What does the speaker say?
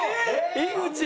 井口！